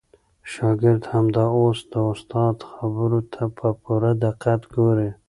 شاګرد همدا اوس د استاد خبرو ته په پوره دقت ګوري.